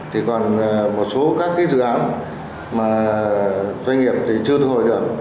thì còn một số các dự án doanh nghiệp chưa thu hồi được